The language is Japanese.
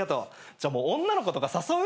じゃあもう女の子とか誘う？